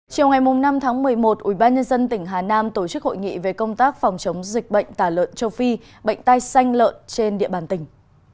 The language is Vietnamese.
chiều ngày năm tháng một mươi một ubnd tỉnh hà nam tổ chức hội nghị về công tác phòng chống dịch bệnh tả lợn châu phi bệnh tai xanh lợn trên địa bàn tỉnh